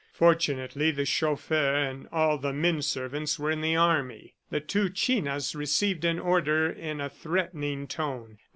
Fortunately, the chauffeur and all the men servants were in the army. The two chinas received an order in a threatening tone.